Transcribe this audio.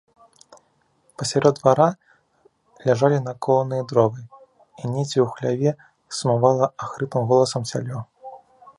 Пасярод двара ляжалі наколаныя дровы, і недзе ў хляве сумавала ахрыплым голасам цялё.